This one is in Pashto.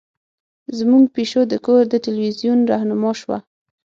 زمونږ پیشو د کور د تلویزیون رهنما شوه.